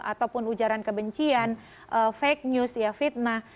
ataupun ujaran kebencian fake news fitnah